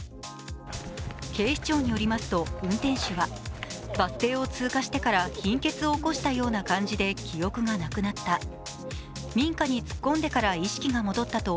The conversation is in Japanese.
警視庁によりますと運転手はバス停を通過してから貧血を起こしたような感じで記憶がなくなった、民家に突っ込んでから意識が戻ったと